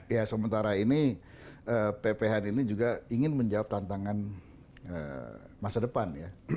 ya sementara ini pphn ini juga ingin menjawab tantangan masa depan ya